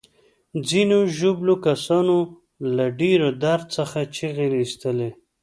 ځینو ژوبلو کسانو له ډیر درد څخه چیغې ایستلې.